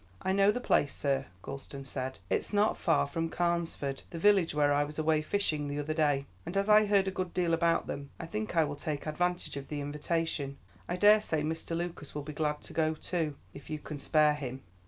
"I know the place, sir," Gulston said; "it's not far from Carnesford, the village where I was away fishing the other day, and as I heard a good deal about them I think I will take advantage of the invitation. I dare say Mr. Lucas will be glad to go too, if you can spare him."